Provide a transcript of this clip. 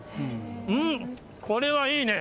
うーん、これはいいね。